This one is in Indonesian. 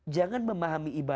jangan memahami ibadah